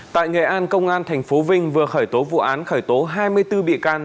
tại nghệ an công an tp vinh vừa khởi tố vụ án khởi tố hai mươi bốn bị can